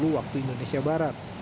waktu indonesia barat